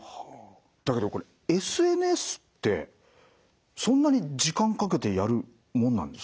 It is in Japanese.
だけどこれＳＮＳってそんなに時間かけてやるもんなんですか？